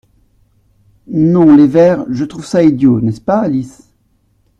Non les vers, je trouve ça idiot, n’est-ce pas, Alice ?